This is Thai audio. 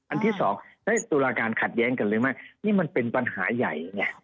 อันที่สองตุลาการขัดแย้งกันเลยไหมนี่มันเป็นปัญหาใหญ่ไง